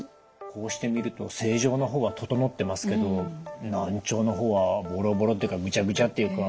こうして見ると正常な方は整ってますけど難聴の方はボロボロっていうかグチャグチャっていうか。